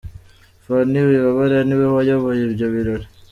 Phanny Wibabara niwe wayoboye ibyo birori.